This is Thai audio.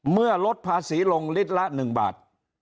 เมื่อลดภาษีลงลิตรละ๑บาท